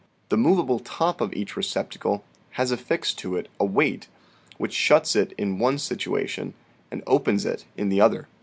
The movable top of each receptacle has affixed to it a weight, which shuts it in one situation and opens it in the other.